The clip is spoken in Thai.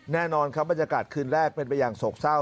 แน่นอนครับบรรยากาศคืนแรกเป็นไปอย่างโศกเศร้า